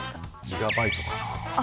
ギガバイトかなあ。